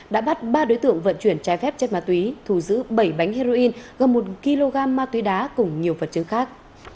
đã bắt ba đối tượng vận chuyển trái phép chất ma túy thù giữ bảy bánh heroin gần một kg ma túy đá cùng nhiều vật chứng khác